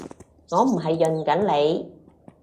我唔係潤緊你